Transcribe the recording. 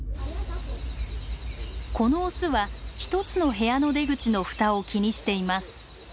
このオスは一つの部屋の出口の蓋を気にしています。